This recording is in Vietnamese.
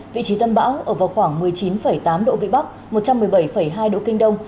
vị trí tâm bão ở vào khoảng một mươi chín tám độ vĩ bắc một trăm một mươi bảy hai độ kinh đông